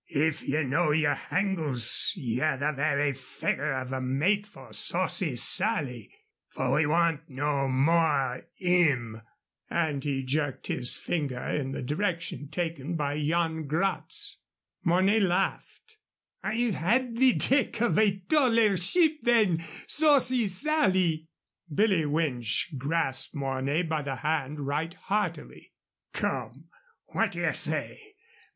If ye know your hangles, ye're the very figure of a mate for Saucy Sally, for we want no more o' 'IM," and he jerked his finger in the direction taken by Yan Gratz. Mornay laughed. "I've had the deck of a taller ship than Saucy Sally." Billy Winch grasped Mornay by the hand right heartily. "Come, what d'ye say?